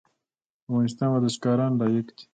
د افغانستان ورزشکاران لایق دي